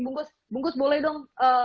bungkus boleh dong